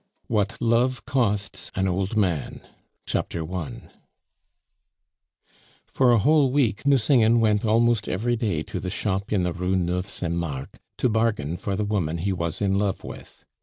WHAT LOVE COSTS AN OLD MAN For a whole week Nucingen went almost every day to the shop in the Rue Nueve Saint Marc to bargain for the woman he was in love with.